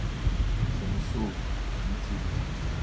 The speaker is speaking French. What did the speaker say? Je me sauve, dit-il.